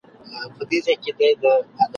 • د بدن دفاعي سیستم پیاوړی کوي